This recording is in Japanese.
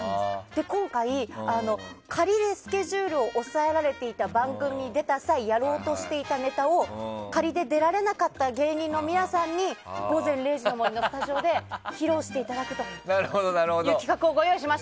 今回、仮でスケジュールを抑えられていた番組に出た際にやろうとしていたネタを仮で出られなかった芸人の皆さんに「午前０時の森」のスタジオで披露していただくという今日は仮がとれなかった４組の芸人さんがわざわざ来てくださいました。